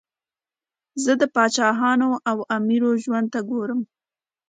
زه د پاچاهانو او امیرو ژوند ته ګورم.